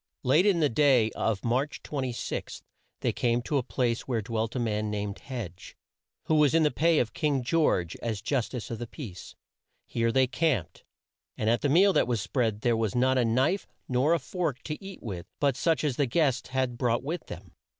Late in the day of March 26, they came to a place where dwelt a man named Hedge, who was in the pay of King George as justice of the peace. Here they camped, and at the meal that was spread there was not a knife nor a fork to eat with but such as the guests had brought with them.